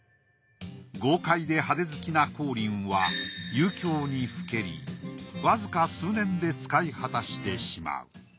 豪快で派手好きな光琳は遊興にふけりわずか数年で使い果たしてしまう。